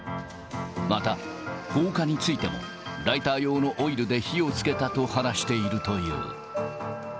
また放火についても、ライター用のオイルで火をつけたと話しているという。